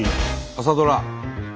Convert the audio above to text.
朝ドラ。